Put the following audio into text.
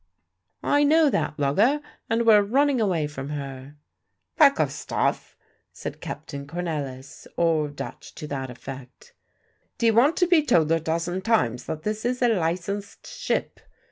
"I know that lugger, and we're running away from her." "Pack of stuff!" says Captain Cornelisz, or Dutch to that effect. "D'ee want to be told a dozen times that this is a licensed ship?"